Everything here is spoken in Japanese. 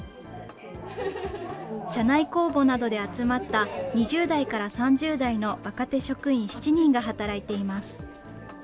社内公募などで集まった２０代から３０代の若手職員７人が働いています。